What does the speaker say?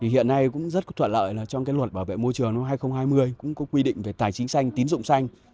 hiện nay cũng rất thuận lợi trong luật bảo vệ môi trường năm hai nghìn hai mươi cũng có quy định về tài chính xanh tín dụng xanh